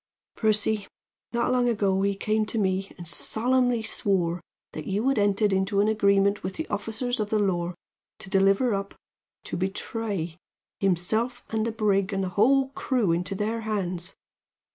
"Percy, not long ago he came to me and solemnly swore that you had entered into an agreement with the officers of the law to deliver up to betray himself and the brig and the whole crew into their hands.